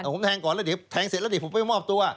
ผมแทงก่อนแล้วเดี๋ยวแทงเสร็จแล้วเดี๋ยวผมไปมอบตัว